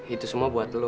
itu semua buat lo